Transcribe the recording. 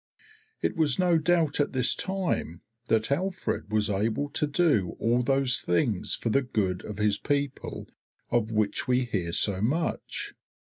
It was no doubt at this time that Alfred was able to do all those things for the good of his people of which we hear so much.